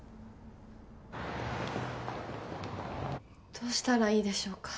どうしたらいいでしょうか？